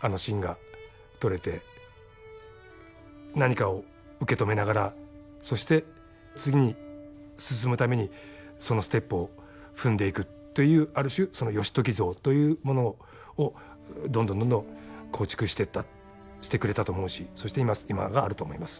あのシーンが撮れて何かを受け止めながらそして次に進むためにそのステップを踏んでいくというある種その義時像というものをどんどんどんどん構築していったしてくれたと思うしそして今があると思います。